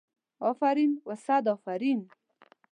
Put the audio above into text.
افرین و صد افرین.